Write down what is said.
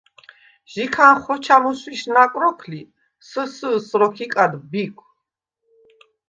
ჟიქან ხოჩა მუსვიშ ნაკ როქ ლი: “სსჷს” როქ იკად ბიქვ.